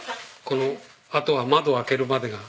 このあとは窓を開けるまでが。